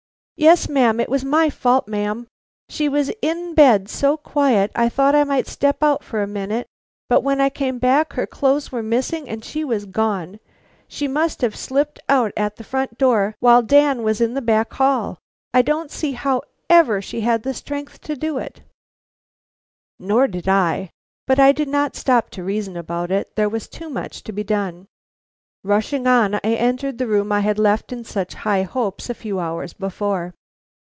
"Yes, ma'am; it was my fault, ma'am. She was in bed so quiet, I thought I might step out for a minute, but when I came back her clothes were missing and she was gone. She must have slipped out at the front door while Dan was in the back hall. I don't see how ever she had the strength to do it." Nor did I. But I did not stop to reason about it; there was too much to be done. Rushing on, I entered the room I had left in such high hopes a few hours before.